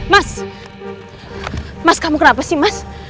mas mas kamu kenapa sih mas